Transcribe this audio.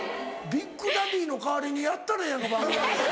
ビッグダディの代わりにやったらええやんか番組。